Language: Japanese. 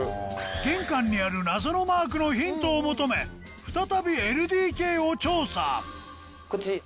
玄関にある謎のマークのヒントを求め再びＬＤＫを調査こっち。